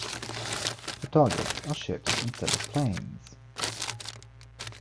The targets are ships instead of planes.